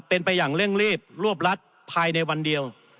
เป็นไปอย่างเร่งรีบรวบรัดภายในวันเดียว